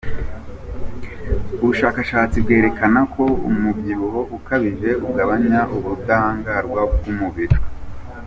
Ubushakashatsi bwerekana ko umubyibuho ukabije ugabanya ubudahangarwa bw’umubiri.